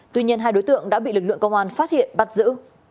tuy nhiên hai đối tượng đã bị lực lượng công an phát hiện bắt giữ